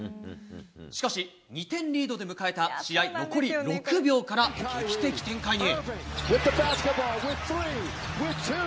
しかし、２点リードで迎えた試合残り６秒から劇的展開に。